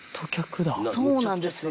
そうなんですよ。